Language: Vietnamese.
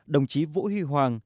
đồng chí vũ huy hoàng